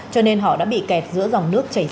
cho nên họ đã bị kẹt giữa dòng nước